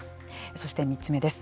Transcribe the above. そして３つ目です。